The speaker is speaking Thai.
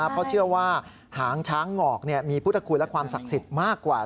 เพราะเชื่อว่าหางช้างงอกมีพุทธคุณและความศักดิ์สิทธิ์มากกว่า